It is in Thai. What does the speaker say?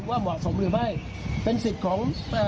ว่าเหมาะสมหรือไม่เป็นสิทธิ์ของเอ่อ